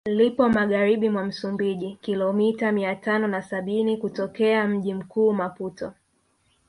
Lipo Magharibi mwa Msumbiji kilomita mia tano na sabini kutokea mji mkuu Maputo